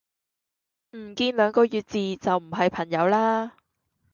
唔見兩個月字就唔係朋友啦